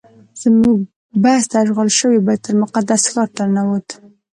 زموږ بس د اشغال شوي بیت المقدس ښار ته ننوت.